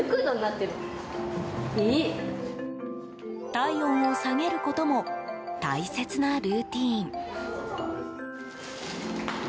体温を下げることも大切なルーチン。